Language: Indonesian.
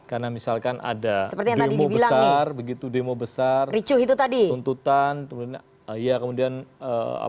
karena misalkan ada demo besar begitu demo besar tuntutan kemudian apa namanya